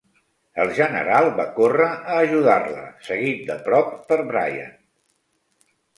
El general va córrer a ajudar-la, seguit de prop per Briant.